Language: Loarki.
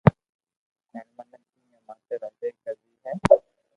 ھين مني دنيا ماٿي راجائي ڪروئ ھي